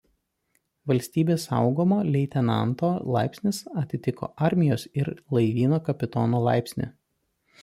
Valstybės saugumo leitenanto laipsnis atitiko armijos ir laivyno kapitono laipsnį.